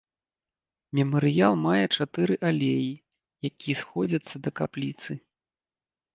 Мемарыял мае чатыры алеі, які сходзяцца да капліцы.